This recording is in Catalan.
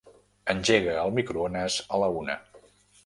Engega el microones a la una.